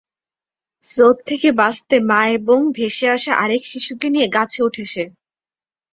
স্রোত থেকে বাঁচতে মা এবং ভেসে আসা আরেক শিশুকে নিয়ে গাছে ওঠে সে।